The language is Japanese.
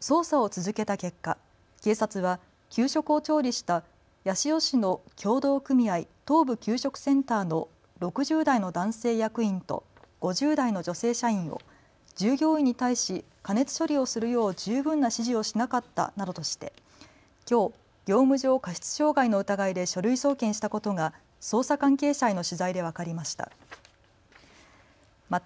捜査を続けた結果、警察は給食を調理した八潮市の協同組合東部給食センターの６０代の男性役員と５０代の女性社員を従業員に対し加熱処理をするよう十分な指示をしなかったなどとしてきょう業務上過失傷害の疑いで書類送検したことが捜査関係者への取材で分かりました。